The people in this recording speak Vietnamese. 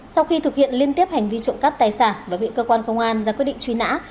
sau khi thực hiện liên tiếp hành vi trộm cắp tài sản và bị cơ quan công an ra quyết định truy nã